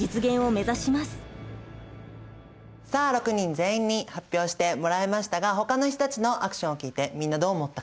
さあ６人全員に発表してもらいましたがほかの人たちのアクションを聞いてみんなどう思ったかな？